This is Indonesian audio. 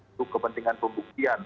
itu kepentingan pembuktian